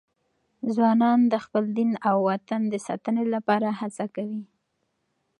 ځوانان د خپل دین او وطن د ساتنې لپاره هڅه کوي.